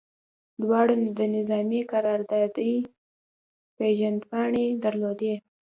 دواړو د نظامي قراردادي پیژندپاڼې درلودې